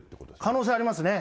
可能性ありますね。